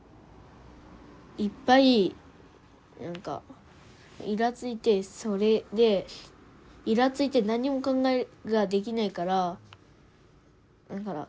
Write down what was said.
いっぱい何かイラついてそれでイラついて何にも考えができないからだから